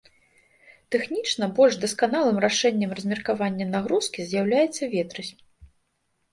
Тэхнічна больш дасканалым рашэннем размеркавання нагрузкі з'яўляецца ветразь.